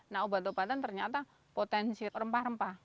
nah obat obatan ternyata potensi rempah rempah